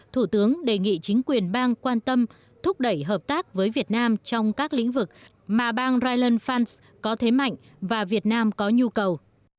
thủ tướng đề nghị chính quyền bang quan tâm thúc đẩy hợp tác với việt nam trong các lĩnh vực mà bang ryan funce có thế mạnh và việt nam có nhu cầu